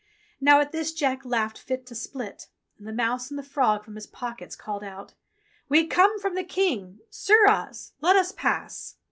Now at this Jack laughed fit to split, and the mouse and the frog from his pockets called out : "We come from the King ! Sirrahs ! Let us pass."